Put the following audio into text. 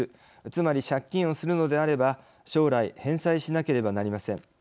つまり借金をするのであれば将来返済しなければなりません。